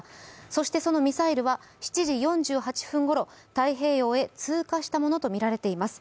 そしてそのミサイルは７時４８分ごろ太平洋へ通過したものとみられます。